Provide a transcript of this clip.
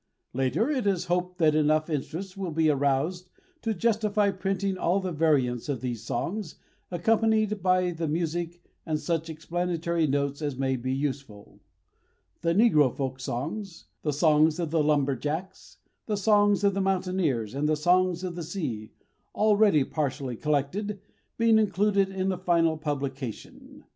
Later, it is hoped that enough interest will be aroused to justify printing all the variants of these songs, accompanied by the music and such explanatory notes as may be useful; the negro folk songs, the songs of the lumber jacks, the songs of the mountaineers, and the songs of the sea, already partially collected, being included in the final publication.